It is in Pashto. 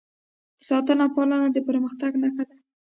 ساتنه او پالنه د پرمختګ نښه ده.